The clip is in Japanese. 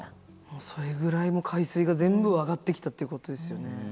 それぐらい海水が全部上がってきたってことですよね。